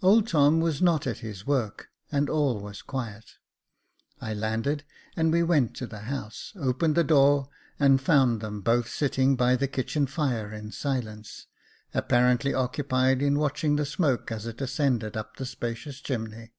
Old Tom was not at his work, and all was quiet. I landed and went to the house, opened the door, and found them both sitting by the kitchen fire in silence, apparently occupied in watching the smoke as it ascended up the spacious chimney.